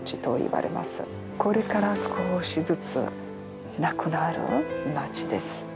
これから少しずつなくなる町です。